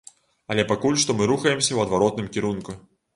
Але пакуль што мы рухаемся ў адваротным кірунку.